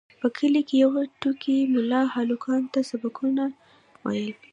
په کلي کې یو ټوکي ملا هلکانو ته سبقونه ویل.